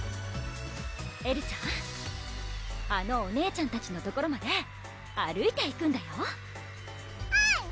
エルちゃんあのお姉ちゃんたちの所まで歩いていくんだようん！